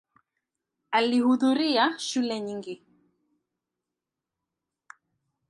Alihudhuria shule nyingi.